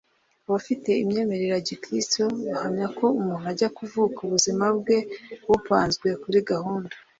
Abafite imyemerere ya Gikirisitu bahamya ko umuntu ajya kuvuka ubuzima bwe bupanzwe kuri gahunda